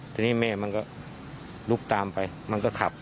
ทีนี้แม่มันก็ลุกตามไปมันก็ขับ